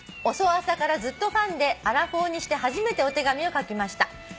「『おそ朝』からずっとファンでアラフォーにして初めてお手紙を書きました」